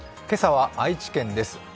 今朝は愛知県です。